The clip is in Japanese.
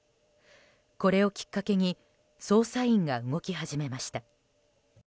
これをきっかけに捜査員が動き始めました。